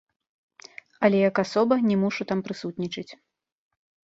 Але як асоба не мушу там прысутнічаць.